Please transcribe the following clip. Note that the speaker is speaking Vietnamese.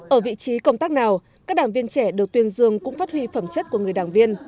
ở vị trí công tác nào các đảng viên trẻ được tuyên dương cũng phát huy phẩm chất của người đảng viên